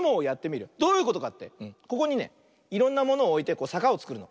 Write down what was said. ここにねいろんなものをおいてさかをつくるの。